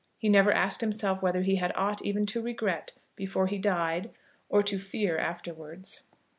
He never asked himself whether he had aught even to regret before he died, or to fear afterwards.